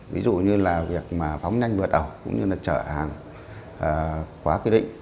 ví dụ như là việc mà phóng nhanh vượt ẩu cũng như là chở hàng quá quy định